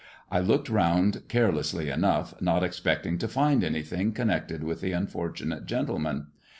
I looked round carelessly enough, not expecting to find anything connected with the unfortunate gentleman.